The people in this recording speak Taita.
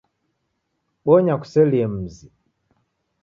Bonya kuselie mzi.